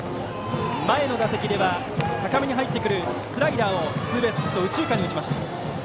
前の打席では高めに入ってくるスライダーをツーベースヒット右中間に打ちました。